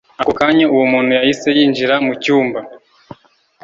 ako kanya uwo muntu yahise yinjira mucyumba,